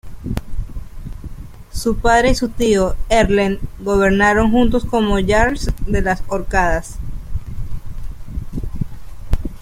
Su padre y su tío, Erlend, gobernaron juntos como jarls de las Orcadas.